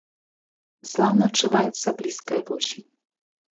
Слаўна адчуваецца блізкая восень.